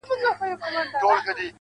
د زهرو تر جام تریخ دی، زورور تر دوزخونو